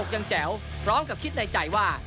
ยังแจ๋วพร้อมกับคิดในใจว่า